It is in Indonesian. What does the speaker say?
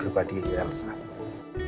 nih nanti aku mau minum